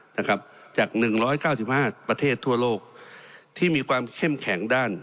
นะครับจาก๑๙๕ประเทศทั่วโลกที่มีความเข้มแข็งด้าน